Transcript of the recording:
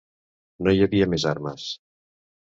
No hi havia més armes